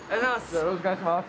よろしくお願いします！